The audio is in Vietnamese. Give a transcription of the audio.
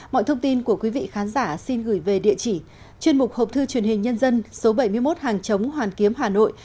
mọi thông tin của quý vị khán giả xin gửi về địa chỉ chuyên mục hộp thư truyền hình nhân dân số bảy mươi một hàng chống hoàn kiếm hà nội